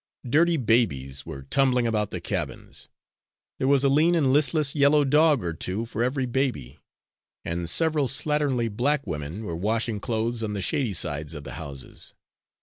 Dirty babies were tumbling about the cabins. There was a lean and listless yellow dog or two for every baby; and several slatternly black women were washing clothes on the shady sides of the houses.